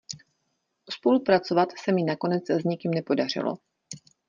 Spolupracovat se mi nakonec s nikým nepodařilo.